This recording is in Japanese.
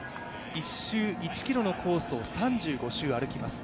１周１ｋｍのコースを３５周歩きます。